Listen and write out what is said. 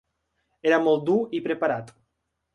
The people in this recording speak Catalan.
Era molt dur i preparat.